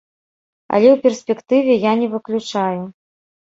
Але ў перспектыве я не выключаю.